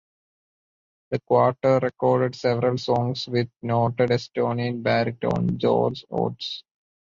The quartet recorded several songs with noted Estonian baritone Georg Ots.